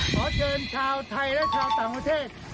ขอเชิญชาวไทยและชาวต่างประเทศ